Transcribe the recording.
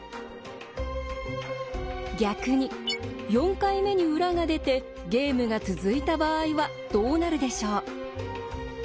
逆に４回目に裏が出てゲームが続いた場合はどうなるでしょう。